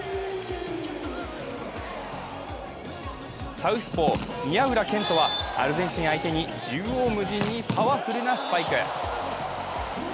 サウスポー・宮浦健人は、アルゼンチン相手に縦横無尽にパワフルなスパイク。